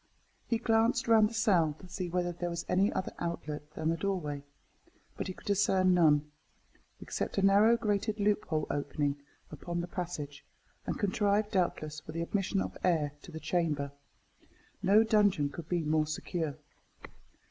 He glanced round the cell to see whether there was any other outlet than the doorway, but he could discern none, except a narrow grated loophole opening upon the passage, and contrived, doubtless, for the admission of air to the chamber. No dungeon could be more secure.